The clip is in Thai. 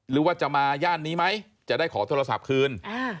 หรือว่าจะมาย่านนี้ไหมจะได้ขอโทรศัพท์คืน